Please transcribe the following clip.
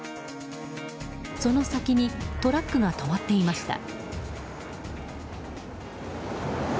その先にトラックが止まっていました。